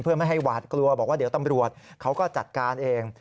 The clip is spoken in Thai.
เพื่อไม่ให้หวาดกลัวบอกว่าเดี๋ยวตำรวจเขาก็จัดการเอง